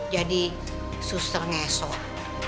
jadi susah ngesel